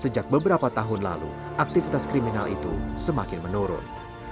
sejak beberapa tahun lalu aktivitas kriminal itu semakin menurun